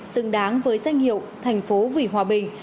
xứng đáng với danh hiệu thành phố vì hòa bình